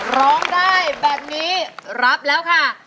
ร้องได้แบบนี้รับแล้วค่ะ